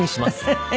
フフフ！